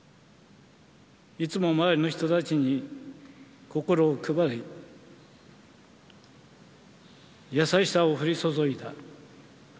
いつも周りの人たちに心を配り、優しさを降り注いだ。